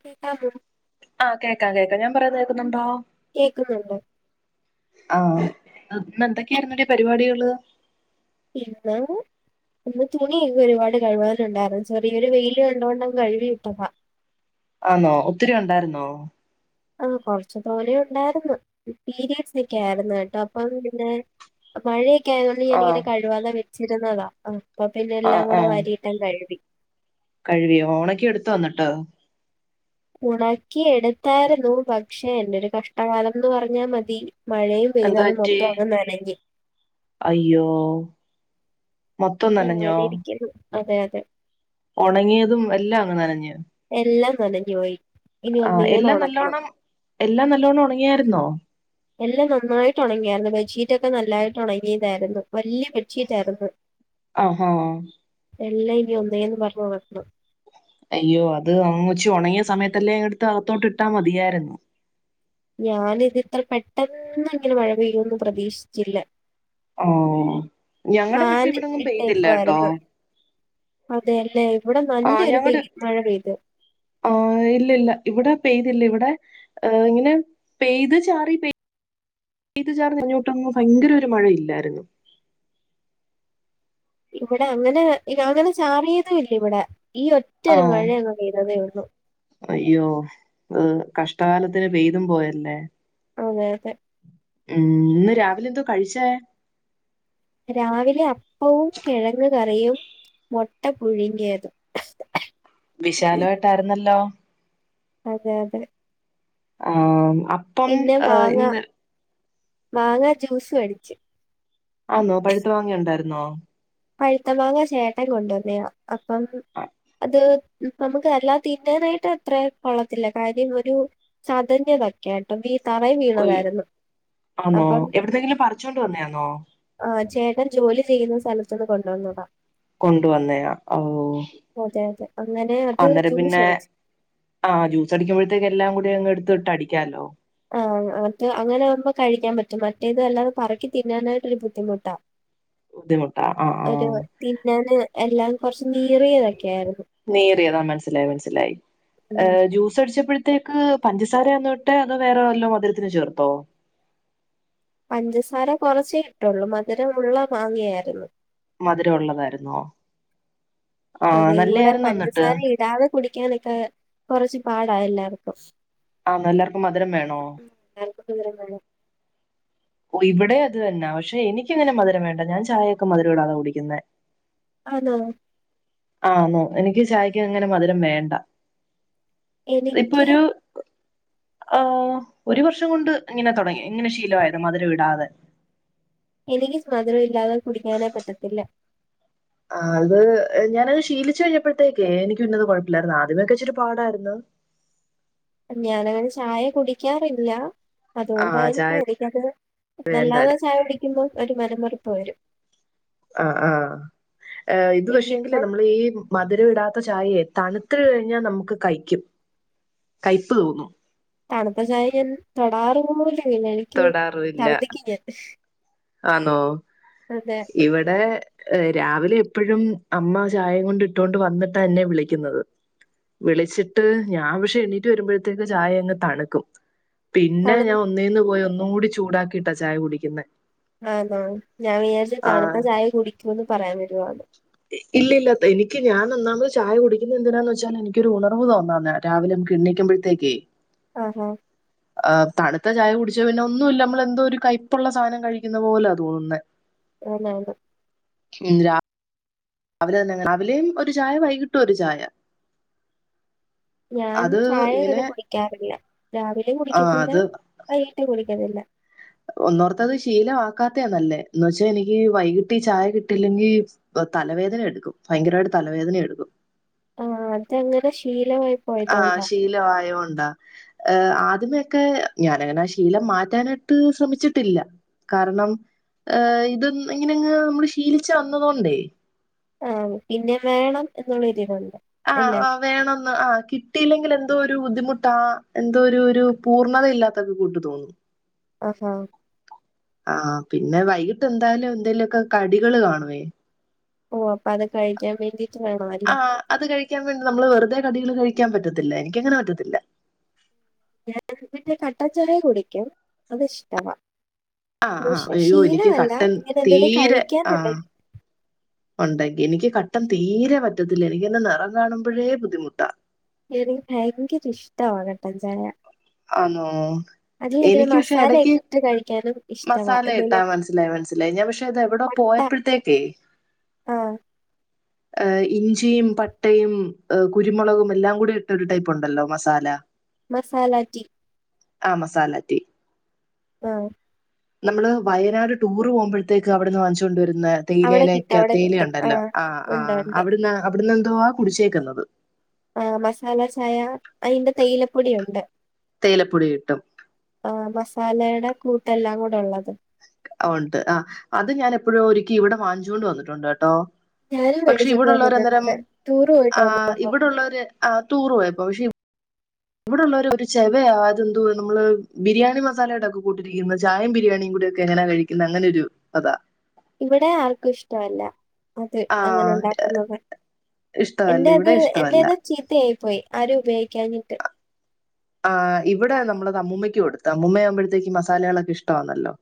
കേക്കാമോ ആഹ് കേൾക്കാം കേക്കാം ഞാൻ പറയുന്നത് കേക്കുന്നുണ്ടോ കേക്കുന്നുണ്ട് ആഹ് ഇന്ന് എന്തൊക്കെയായിരുനെടി പരിപാടികള് ഇന്ന് ഇന്ന് തുണി ഇന്നൊരുപാട് കഴിവാനുണ്ടായിരുന്നു ചെറിയൊരു വെയില് കണ്ടോണ്ടങ്ങ് കഴുകിയിട്ടത. ആന്നോ ഒത്തിരിയുണ്ടായിരുന്നോ? ആഹ് കൊർച്ചു തോനെയുണ്ടായിര്ന്നു പീരീഡ്സൊക്കായിര്ന്നു കേട്ടോ അപ്പ [unintelligible] മഴയൊക്കായതുകൊണ്ട് ആഹ് ഞാനിങ്ങനെ കഴിവാതെ വെച്ചിരുന്നതാ അപ്പൊ പിന്നെ എല്ലാം കൂടെ വാരി എല്ലാ എഴ്തി കഴിവിയോണക്കെട്ത്തോ അന്ന്ട്ട്. ഒണക്കി എട്ത്തായിര്ന്നു പക്ഷെ എൻ്റൊരു കഷ്ടകാലംന്ന് പർഞ്ഞാ മതി മഴയും പെയ്ത് എന്ത് അത് പറ്റി മൊത്തം അങ്ങ് നനഞ്ഞ് അയ്യോ മൊത്തം നനഞ്ഞോ? അങ്ങനെ ഇരിക്കുന്നു അതെ യതെ ഒണങ്ങിയതും എല്ലാം അങ്ങ് നനഞ്ഞ് എല്ലാം നനഞ്ഞു പോയി. ഇനി ആഹ് ഒന്നേന്ന് എല്ലാം ഉണക്കണം നല്ലോണ്ണം എല്ലാം നല്ലോണം ഒണങ്ങിയായിര്ന്നോ? എല്ലാം നന്നായിട്ട് ഒണങ്ങിയായിര്ന്നു ബെഡ്ഷീറ്റൊക്കെ നല്ലായിട്ട് ഒണങ്ങിയതായിരുന്നു വെല്ല്യ ബെഡ്ഷീറ്റായിരുന്നു. ആഹ എല്ലാം ഇനി ഒന്നേന്ന് പർഞ്ഞ് ഒണക്കണം. അയ്യോ അത് ഒന്നിച്ചു ഒണങ്ങിയ സമയത്തല്ലേ ഇട്ത്ത് അകത്തോട്ട്ട്ടാ മതിയായിര്ന്നു. ഞാനിതിത്രെ പെട്ടെന്ന് ങ്ങനെ മഴ പെയ്യുന്ന് പ്രതീക്ഷിച്ചില്ല. ആഹ് ഞങ്ങടെ പക്ഷെ ഫാൻ ഇവടൊന്നും പെയ്തില്ല ട്ടോ. അതെല്ലെ ഇവടെ ആഹ് നല്ലൊരു ഞങ്ങടെ പെയ് മഴ പെയ്തു. ആഹ് ഇല്ലല്ല ഇവടെ പെയ്തില്ല ഇവടെ ഇങ്ങനെ പെയ്ത് ചാറി പെയ് ത് ചാറി ഇങ്ങോട്ടൊന്നും ഭയങ്കരൊരു മഴ ഇല്ലായിരുന്നു. ഇവടെ അങ്ങനെ അങ്ങനെ ചാറിയതില്ല വടെ ഈ ഒറ്റരു ആഹ് മഴ അങ്ങ് പെയ്തതേ ഒള്ളു. അയ്യോ കഷ്ടകാലത്തിന് പെയ്തും പോയല്ലേ. അതെ യതെ ഉം ഇന്ന് രാവിലെ എന്തോ കഴിച്ചേ? രാവിലെ അപ്പവും കിഴങ്ങ് കറിയും. മൊട്ട പുഴിങ്ങിയതും. വിശാലവട്ടായിര്ന്നല്ലോ അതെ യതെ ആഹ് അപ്പം ഏഹ് ഇന്ന് മാങ്ങാ ജ്യൂസു അടിച്ചു. ആന്നോ പഴുത്ത മാങ്ങായുണ്ടായിരുന്നോ? പഴുത്തമാങ്ങ ചേട്ടൻ കൊണ്ടുവന്നയാ അപ്പം അത് നമക്ക് അല്ലാ തിന്നാനായിട്ട് അത്ര കൊള്ളത്തില്ല കാര്യം ഒരു ചതഞ്ഞതാ ക്യാട്ടും ഈ തറേ ഒയ് വീണതായിരുന്നു ആന്നോ അപ്പം എവിടന്നെങ്കിലും പറിച്ചോണ്ട് വന്നയാന്നോ ആഹ് ചേട്ടാൻ ജോലി ചെയ്യുന്ന സ്ഥലത്ത്ന്ന് കൊണ്ടുവന്നതാ. കൊണ്ട വന്നയാ ഓഹ് അതെ അതെ അങ്ങനെ അത് അന്നേരം ജ്യൂസ് പിന്നെ അടിച്ചു ആഹ് ജ്യൂസടിക്കുമ്പഴത്തെല്ലാം കൂടി അങ്ങെട്ത്തിട്ട് അടിക്കാല്ലോ. ആഹ് മറ്റേ അങ്ങനാവുമ്പോ കഴിക്കാൻ പറ്റും മറ്റേത് അല്ലാതെ പറക്കി തിന്നാനായിട്ടൊരു ബുദ്ധിമുട്ടാ. ബുദ്ധിമുട്ടാ ആഹ് ഒരു ആഹ് തിന്നാന് എല്ലാം കൊറച്ച് നീറിയതൊക്കെയായിരുന്നു. നീറിയതാ മൻസ്സിലായി മൻസ്സിലായി ഉം. ഏഹ് ജ്യൂസടിച്ചപ്പഴ ത്തേക്ക് പഞ്ചസാരേന്നോ ഇട്ടേ അതോ വേറെ വല്ലോം മധുരത്തിന് ചേർത്തോ? പഞ്ചസാര കുറച്ചേ ഇട്ടൊള്ളൂ മധുരള്ളെ മാങ്ങയായിരുന്നു. മധുര ഉള്ളതായിന്നോ? അതെ ഇവടെ എന്നിട്ട് പഞ്ചസാര ഇടാതെ കുടിക്കാനൊക്കെ കൊറച്ച് പാടാ എല്ലാവർക്കും. ആന്നോ എല്ലാർക്കും മധുരം വേണോ? [unintelligible] ഓ ഇവിടെ അത്തന്നാ പക്ഷെ എനിക്കിങ്ങനെ മധുര വേണ്ട ഞാൻ ചായയൊക്കെ മധുര ഇടാതാ കുടിക്കുനേ ആന്നോ ആന്നോ എനിക്ക് ചായക്കങ്ങനെ മധുരം വേണ്ട എനിക്ക് ഇപ്പൊരു ആഹ് ഒരു വർഷം കൊണ്ട് ഇങ്ങനെ തൊടങ്ങി ഇങ്ങനെ ശീലോയത മധുരം ഇടാതെ എനിക്ക് സ് മധുരം ഇല്ലാതെ കുടിക്കാനേ പറ്റത്തില്ല ആഹ് അത് ഞാനത് ശീലിച്ച കഴിഞ്ഞപ്പത്തേക്കെ എനിക്ക് പിന്നത് കുഴപ്പില്ലായിരുന്നു ആദ്യമേയൊക്കെ ഇച്ചിരി പാടായിരുന്നു ഞാനങ്ങനെ ചായ കുടിക്കാറില്ല ആഹ് അതുകൊണ്ടായിരിക്കും ചായ എനിക്കത് അല്ലാതെ വേണ്ടായിരുന്നു ചായ കുടിക്കുമ്പോൾ ഒരു മനംമറുപ്പ് വരും ആഹ് ആഹ് ഇത് പക്ഷേങ്കിലേ പിന്നിപ്പം നമ്മൾ ഈ മധുരം ഇടാത്ത ചായയെ തണുത്ത കഴിഞ്ഞാൽ നമുക്ക് കയിക്കും കയ്പ് തോന്നും തണുത്ത ചായ ഞാൻ തൊടാറു പോലുവില്ല എനിക്ക് തൊടാറില്ല ശർദിക്കും ഞാൻ ആന്നോ അതെ ഇവിടെ രാവിലെ എപ്പോഴും അമ്മ ചായേ കൊണ്ട് ഇട്ടുകൊണ്ട് വന്നിട്ടാ എന്നെ വിളിക്കുന്നത് വിളിച്ചിട്ട് ഞാൻ പക്ഷെ എണീറ്റ് വരുമ്പഴത്തേക്ക് ചായ അങ്ങ് തണുക്കും പിന്നെ തണു ഞാൻ ഒന്നീന്ന് പോയി ഒന്നും കൂടി ചൂടാക്കിയിട്ടാ ചായ കുടിക്കുന്ന ആന്നോ ഞാൻ വിചാരിച്ച് തണുത്ത ചായ കുടിക്കൂന്ന് പറയാൻ വരുവാന്ന് ഇല്ല ഇല്ല എനിക്ക് ഞാൻ ഒന്നാമത് ചായ കുടിക്കുന്നന്തിനാന്ന് വെച്ചാൽ എനിക്കൊരു ഉണർവ് തോന്നാനാ രാവിലെ നമുക്ക് എണീക്കുമ്പോഴത്തേക്കേ ആഹ് ആഹ് ആ തണുത്ത ചായ കുടി ച്ച പിന്നെ ഒന്നുമില്ല നമ്മള എന്തോ ഒരു കൈപ്പുള്ള സാധനം കഴിക്കുന്ന പോലാ തോന്നുന്നേ ആനാന് ഇല്ല രാവിലേ ഒരു ചായ വൈകിട്ടും ഒരു ചായ ഞാൻ അത് ചായ ഇങ്ങനെ അങ്ങനെ കുടിക്കാറില്ല രാവിലെ ആഹ് കുടിക്കത്തില്ല അത് വൈകിട്ടും കുടിക്കത്തില്ല ഒന്നോർത്താത് ശീലമാക്കാത്തേന്നല്ലേ എന്നു വച്ചാ എനിക്ക് വൈകിട്ടീ ചായ കിട്ടില്ലെങ്കിൽ തലവേദന എടുക്കും ഭയങ്കരമായിട്ട് തലവേദന എടുക്കും ആഹ് അതങ്ങനെ ശീലാ ആഹ് ശീലവായോണ്ടാ ഏഹ് ആദ്യമേയൊക്കെ ഞാനങ്ങനെ ആ ശീലം മാറ്റാനായിട്ട് ശ്രമിച്ചിട്ടില്ല കാരണം ഏഹ് ഇത് ഇങ്ങനെങ്ങ് നമ്മള് ശീലിച്ചു വന്നതോണ്ടേ ആഹ് പിന്നെ വേണം എന്നുള്ള ഇരിവുണ്ട് ആഹ് ഓഹ് വേണന്ന് ആ കിട്ടിയില്ലെങ്കിൽ എന്തോ ഒരു ബുദ്ധിമുട്ടാ എന്തോ ഒരു ഒരു പൂർണ്ണതയില്ലാത്തൊക്കെ കൂട്ട് തോന്നും ആഹ് ആഹ് ആഹ് പിന്നെ വൈകിട്ട് എന്തായാലും എന്തേലുമൊക്കെ കടികള് കാണുമേ ഓ അപ്പൊ അത് കഴിക്കാൻ വേണ്ടീട്ട് വേണവാരികും ആ അത് കഴിക്കാൻ വേണ്ടി നമ്മള് വെറുതെ കടികള് കഴിക്കാൻ പറ്റത്തില്ല എനിക്കങ്ങനെ പറ്റത്തില്ല ഞാൻ പിന്നെ കട്ടൻ ചായ കുടിക്കും അത് ഇഷ്ടവാ ആഹ് ആഹ് അയ്യോ എനിക്ക് കട്ടൻ ഇങ്ങനെ എന്തെങ്കിലും തീരെ ആഹ് കഴിക്കാനുണ്ടെങ്കി ഉണ്ടെങ്കിൽ എനിക്ക് കട്ടൻ തീരെ പറ്റത്തില്ല എനിക്കന്നെ നിറം കാണുമ്പോഴേ ബുദ്ധിമുട്ടാ എനിക്ക് ഭയങ്കര ഇഷ്ടവാണ് കട്ടൻ ചായ ആന്നോ അതിലിങ്ങനെ എനിക്ക് പക്ഷെ എടക്ക് മസാലയൊക്കെ ഇട്ട് കഴിക്കാനും ഇഷ്ടവാ. മസാല ഇട്ടാ എന്തെലും മനസ്സിലായി മനസ്സിലായി ഞാൻ പക്ഷെ അത് എവിടെ പട്ട പോയപ്പോഴ തെകേ- ആഹ് ഏഹ് ഇഞ്ചിയും പട്ടയും കുരുമുളകും എല്ലാം കൂടി ഇട്ട ഒരു ടൈപ്പ് ഉണ്ടല്ലോ മസാല മസാല റ്റീ ആഹ് മസാലറ്റീ ആഹ് നമ്മള് വയനാട് ടൂറ് പോകുമ്പോഴത്തേക്ക് അവിടുന്ന് വാങ്ങിച്ചോണ്ട് വരുന്ന അവിടെ കിട്ടും തേയിലയിലേക്ക അവിടെ തേയില കിട്ടും. ഉണ്ടല്ലോ ആഹ് ഉണ്ട് ആഹ് ഉണ്ട്. അവിടുന്ന് അവിടുന്ന് എന്തോ ആഹ് കുടിച്ചേക്കുന്നത് ആഹ് മസാല ചായ അതിന്റെ തെയിലപ്പൊടി ഉണ്ട് തേയിലപ്പൊടി കിട്ടും ആഹ് മസാലയുടെ കൂട്ടെല്ലാം കൂടെ ഉള്ളത് ഉണ്ട് ആഹ് അത് ഞാൻ എപ്പോഴും ഒരിക്കി ഇവിടെ വാഞ്ചുകൊണ്ട് വന്നിട്ടുണ്ട് കേട്ടോ ഞാനും പക്ഷെ മേടിച്ചിട്ട് ഇവിടെള്ളവര് അന്നേരം വന്നിട്ടുണ്ട്. ടൂറ് പോയിട്ട് ആഹ് വന്നപ്പോ. ഇവിടുള്ളവര് ടൂർ പോയപ്പോ പക്ഷെ ഇവിടെള്ളര ഒരു ചെവയാ അതത് എന്തുവ നമ്മള് ബിരിയാണി മസാലയുടെക്കെ കൂട്ടിരിക്കുന്നത് ചായയുംബിരിയാണിയും കൂടി ഒക്കെ എങ്ങനെ കഴിക്കും അങ്ങനെ ഒരു കഥാ ഇവിടെ ആർക്കും ഇഷ്ടമല്ല അതെ അങ്ങനെ ആഹ് ഉണ്ടാക്കുന്നത് ഇഷ്ടമല്ല ഇവിടെ എന്റെത് ഇഷ്ടമല്ല എന്റെത് ചീത്തയായി പോയി ആരും ഉപയോഗിക്കഞ്ഞിട്ട് ആഹ് ഇവിടെ നമ്മളത് അമ്മൂമ്മക്ക് കൊടുത്ത് അമ്മൂമ്മയാകുമ്പഴത്തേക്ക് മസാലകളൊക്കെ ഇഷ്ടമാണല്ലോ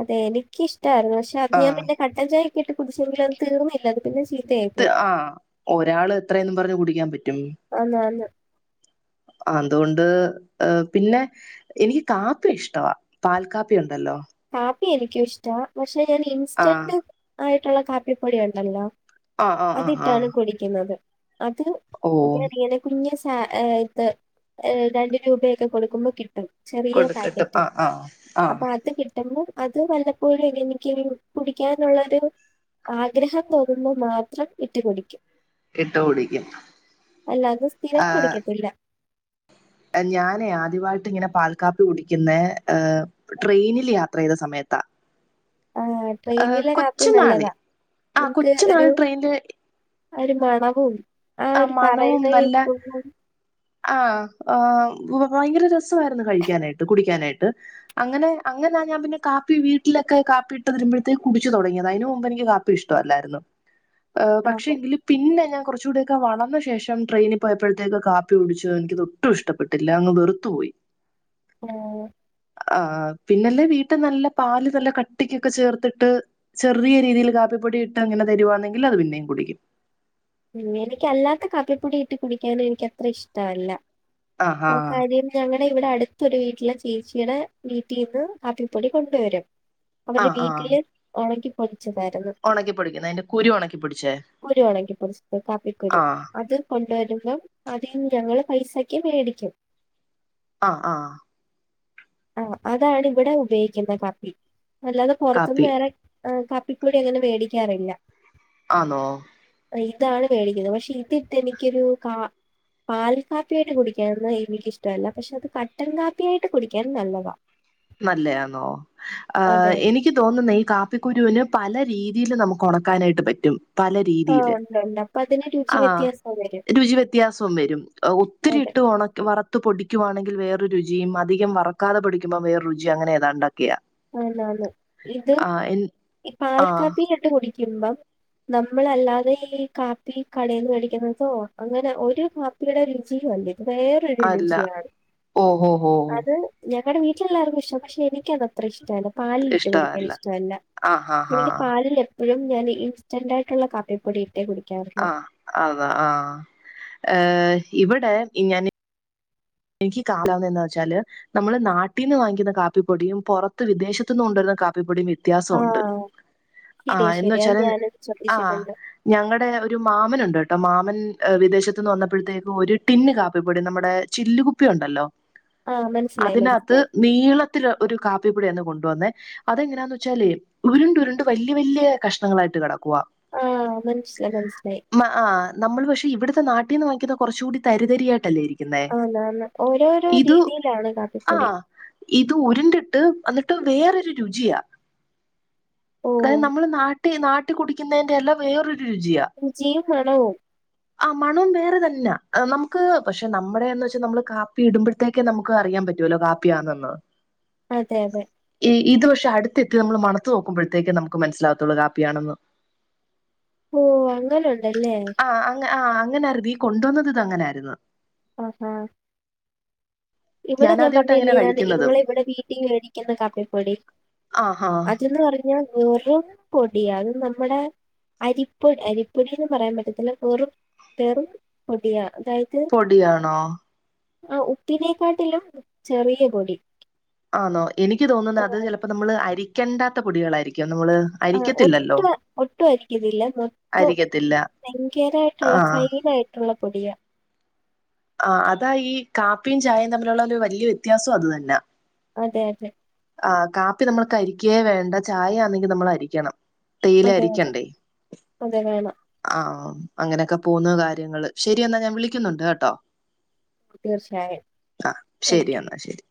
അതെ എനിക്കിഷ്ടമായിരുന്നു പക്ഷെ അത് ആ ഞാൻ പിന്നെ കട്ടൻ ചായ ഒക്കെയിട്ട് കുടിച്ചെങ്കിലും ഒന്ന് തീർന്നില്ല അത് പിന്നെ ചീത്തയായി പോയി. ആഹ് ഒരാള് എത്രയന്ന് പറഞ്ഞ് കുടിക്കാൻ പറ്റും ആന്ന് ആന്ന്. അന്തുകൊണ്ട് പിന്നെ എനിക്ക് കാപ്പി ഇഷ്ടവാ പാൽ കാപ്പി ഉണ്ടല്ലോ കാപ്പി എനിക്കും ഇഷ്ട പക്ഷെ ഞാൻ ആ ഇൻസ്റ്റന്റ് ആയിട്ടുള്ള കാപ്പിപ്പൊടി ഉണ്ടല്ലോ ആ ആ ആ ആ അതിട്ടാണ് കുടിക്കുന്നത് അത് ഓ ഇങ്ങനെ ഇങ്ങനെ കുഞ്ഞ സ ഇത് രണ്ട് രൂപയൊക്കെ കൊടുക്കുമ്പോൾ കിട്ടും ചെറിയ കൊടുക്കട്ടു പാക്കറ്റ് ആ ആ ആ അപ്പൊ അത് കി ട്ടുമ്പോ അത് വല്ലപ്പോഴും എനിക്ക് കുടിക്കാനുള്ളൊരു ആഗ്രഹം തോന്നുമ്പോ മാത്രം ഇട്ടു കുടിക്കും ഇട്ട് കുടിക്കും അല്ലാതെ സ്ഥിരം കുടിക്കത്തില്ല ഞാനേ ആദ്യമായിട്ട് ഇങ്ങനെ പാൽക്കപ്പി കുടിക്കുന്ന ഏഹ് ട്രെയിനിൽ യാത്ര ചെയ്ത സമയത്താ ആഹ് ഏഹ് ട്രെയിനിലെ കൊച്ച കാപ്പി നാളി നല്ലതാ ആഹ് നമുക്ക് കൊച്ചു ഒരു നാളി ട്രെയിൻല് ഒരു മണവും ആഹ് ആ ഒരു മണവും പറയുന്ന നല്ല കേൾക്കുമ്പോ ആഹ് ആഹ് ഭയങ്കര രസമായിരുന്നു കഴിക്കാനായിട്ട് കുടിക്കാനായിട്ട് അങ്ങനെ അങ്ങനാ ഞാൻ പിന്നെ കാപ്പി വീട്ടിലക്കെ കാപ്പി ഇട്ട് തരുമ്പഴേ കുടച്ച് തുടങ്ങിയത് അതിന് മുമ്പ് എനിക്ക് കാപ്പി ഇഷ്ടല്ലായിരുന്ന് പക്ഷെ ആഹ് എങ്കിൽ പിന്നെ ഞാൻ കുറച്ചൂ വളന്ന ശേഷം ട്രെയിനിപ്പോ പോയപ്പഴത്തേക്കു കാപ്പി കുടിച്ച എനിക്കത് ഒട്ടും ഇഷ്ടപ്പെട്ടില്ല അങ് വെറുത്തു പോയി ആഹ് പിന്നല്ലേ വീട്ടിൽ നല്ല പാല് നല്ല കട്ടിക്കൊക്കെ ചേർത്തിട്ട് ചെറിയ രീതിൽ കാപ്പിപ്പൊടി ഇട്ട് അങ്ങനെ തരുവാന്നെങ്കിൽ അത് പിന്നെയും കുടിക്കും എനിക്കല്ലാത്ത കാപ്പിപ്പൊടി ഇട്ട് കുടിക്കൻ എനിക്ക് അത്ര ഇഷ്ടമല്ല ആഹാ അപ്പൊ കാര്യം ഞങ്ങളടെ ഇവിടെ അടുത്തരു വീട്ടില ചേച്ചിയുടെ വീട്ടിൽ നിന്ന് കാപ്പിപ്പൊടി കൊണ്ടുവരും അവരുടെ ആഹ് വീട്ടില് ഉണക്കി പൊടിച്ചതായിരുന്നു ഉണക്കിപ്പൊടിക്കുന്ന അതിന്റെ കുരു ഉണക്കി പോടിച്ച കുരു ഒണക്കിപ്പൊടിച്ചത് കാപ്പിക്കുരു അത് കൊണ്ടുവരുമ്പം അതി ഞങ്ങള് പൈസക്ക് മേടിക്കും ആഹ് ആഹ് ആഹ് അതാണ് ഇവിടെ ഉപയോഗിക്കുന്ന കപ്പി അല്ലാതെ പുറത്തുന്ന് കാപ്പി വേറെ ആഹ് കാപ്പിപ്പൊടി അങ്ങനെ മേടിക്കാറില്ല ആണോ ഇതാണ് മേടിക്കുന്നത് പക്ഷെ ഇതിട്ട് എനിക്കൊരു കാ പാൽ കാപ്പിയായിട്ട് കുടിക്കാന്ന് എനിക്കിഷ്ടമല്ല പക്ഷെ അത് കട്ടൻ കാപ്പിയായിട്ട് കുടിക്ക നല്ലതാ നല്ലതണോ ആഹ് അതെ. എനിക്ക് എനിക്ക് തോന്നുന്ന ഈ കാപ്പിക്കുരുവിന് പല രീതിയിൽ നമുക്ക് ഉണക്കാനായിട്ട് പറ്റും പല രീതിയിൽ [inaudible] ആ വരും. രുചി വ്യത്യാസവും വരും ഒത്തിരി അതെ. ഇട്ടു ഓ വർക് വറുത്ത് പടിക്കുവാണെങ്കിൽ വാറെ രുചിയ അധികം വർക്കതെ പടിക്കുമ്പോ വേറെ രുചിയും അങ്ങനെ താ ഉണ്ടാക്കിയാ ആനാന് ഇത് പാൽ ആഹ് കാപ്പിയില ഇട്ട് കുടിക്കുമ്പോ നമ്മളല്ലാതെ ഈ കാപ്പി കടയിൽന്ന് മേടിക്കുന്ന തോ അങ്ങനെ ഒരു കാപ്പി രുചി അല്ല ഇത് വേറൊരു അല്ല രുചിയാണ് ഓഹോ ഹോ അത് ഞങ്ങളുടെ വീട്ടിലൊവർക്കും ഇഷ്ട പക്ഷെ എനിക്ക് അത്ര ഇഷ്ടല്ല പാലിൽ ഇട്ട് കുടിക്കാൻ ഇഷ്ടമല്ല ആഹ് ഹാ ഹാ എനിക്ക് പാലിന്റെ ഇപ്പോഴും ഞാൻ ഇൻസ്റ്റന്റ് ആയിട്ടുള്ള കാപ്പിപ്പൊടി ഇട്ട് കുടിക്കാറുള്ളൂ ആഹ് അതാ ആ ഏ ഇവിടെ ഞാൻ എനിക്ക് കാണാവുന്ന വെച്ചാല് നമ്മള് നാട്ടീ നിന്ന് വാങ്ങിക്കുന്ന കാപ്പിപ്പൊടിയും പുറത്ത് വിദേശത്തു നിന്നും കൊണ്ടുവരുന്ന കാപ്പിപ്പൊടിയും വ്യത്യാസമുണ്ട് ആഹ്. ആ ശരിയാ എന്ന ശരിയാ അത് വച്ചാല് ഞാനും ആ ശ്രദ്ധിച്ചിട്ടുണ്ട്. ഞങ്ങളുടെ ഒരു മാമനുണ്ട് കേട്ടോ മാമൻ വിദേശത്തു നിന്ന് വന്നപ്പോഴത്തേക്ക് ഒരു ടിന്ന് കാപ്പിപൊടി നമ്മുടെ ചില്ലുകുപ്പി ഉണ്ടല്ലോ ആഹ് മനസ്സിലായി അതിനകത്ത് മനസ്സിലായി. നീളത്തിൽ ഒരു കാപ്പിപ്പൊടി അന്ന് കൊണ്ടുവന്നേ അതിങ്ങനെ എന്ന് വെച്ചാല് ഉരുണ്ട് ഉരുണ്ട് വലിയ വലിയ കഷ്ണങ്ങളായിട്ട് കിടക്കുവ അത് മനസ്സില മനസ്സിലായി മ ആ നമ്മൾ പക്ഷെ ഇവിടുത്തെ നട്ടിൽ നിന്ന് വാങ്ങിക്കുന്ന കുറച്ച കൂടി തരിതരിയായിട്ടല്ലോയിരിക്കും ആണ് ആണ് ഓരോരോ രീതിയിലാണ് കാപ്പിപ്പൊടി ആഹ് ഇത് ഉരിണ്ടിട്ട് എന്നിട്ട് വേറൊരു രുചിയാ അതായത് ഓഹ് നമ്മള് നാട്ടി നാട്ടി കുടിക്കുന്നതിന്റെ എല്ലാം വേറൊരു രുചിയാണ് രുചിയും [unintelligible] ആ മണോ വേറെ തന്നെ നമുക്ക് പക്ഷെ നമ്മുടെന്ന് പ നമ്മള് കാപ്പി ഇടുമ്പഴത്തേക്കും നമുക്ക് അറിയാൻ പറ്റുവല്ലോ കാപ്പിയാണന്ന് അതെ അതെ ഈ ഇത് പക്ഷേ അടുത്തെത്തി നമ്മൾ മണത്തു നോക്കുമ്പോഴത്തേക്കും നമുക്ക് മനസ്സിലകത്തുള്ള കാപ്പിയാണെന്ന് ഓ അങ്ങന ഉണ്ടല്ലേ അ ആ അങ്ങനെയായി ഈ കൊണ്ടുവന്നത് ഇത് അങ്ങനെ ആയിരുന്നു ആഹ ആ ഇവിടെ ഞാൻ ഞാനാദ്യമായിട്ട് അങ്ങനെ പറഞ്ഞില്ലേ ഞാൻ കഴിക്കുന്നത് ഇങ്ങള് ഇവിടെ വീട്ടിൽ മേടിക്കുന്ന കാപ്പിപ്പൊടി ആഹ ആഹ അതെന്ന് പറഞ്ഞാ വെറും പൊടി അത് നമ്മുടെ അരിപ്പൊടി അരിപ്പൊടിന്ന് പറയാൻ പറ്റത്തില്ല വെറും വെറും പൊടിയാ അതായത് പൊടിയാണോ ആ ഉപ്പിനേക്കാട്ടിലും ചെറിയ പൊടി ആണോ എനിക്ക് തോന്നുന്നത് അത് ചിലപ്പോ നമ്മള് അരിക്കേണ്ടാത്ത പൊടികളായിരിക്കും നമ്മള് ആ അരിക്കത്തില്ലല്ലോ ഒട്ടു ഒട്ടും അരിക്കിന്നില്ല മൊത്തം അരിക്കത്തില്ല ആ ഭയങ്കരമായിട്ടുള്ള ഫൈൻ ആായിട്ടുള്ള പൊടിയാ ആ അതാ ഈ കാപ്പിയും ചായയും തമ്മിലുള്ള വലിയ വ്യത്യാസം അത് തന്ന അതെ അതെ ആ കാപ്പി നമ്മൾ അരിക്ക വേണ്ട ചായയാണെങ്കിൽ നമ്മൾ അരിക്കണം തേയില അതെ അതെ. ആയിരിക്കണ്ടേ അതെ വേണം. ആഹ അങ്ങനെയൊക്കെ പോവുന്നു കാര്യങ്ങളും ശരിയ എന്നാ ഞാൻ വിളിക്കുന്നുണ്ട് കേട്ടോ തീർച്ചയായും ആ ഓക്കെ. ശരി എന്നാൽ ശരി